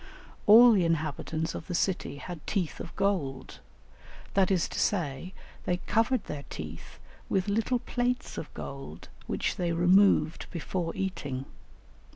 All the inhabitants of the city had teeth of gold; that is to say, they covered their teeth with little plates of gold which they removed before eating.